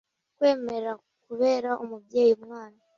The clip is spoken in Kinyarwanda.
Kwemera kubera umubyeyi umwana